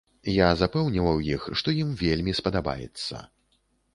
Я запэўніваў іх, што ім вельмі спадабаецца.